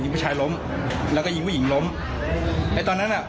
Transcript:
ผู้ชายล้มแล้วก็ยิงผู้หญิงล้มไอ้ตอนนั้นอ่ะ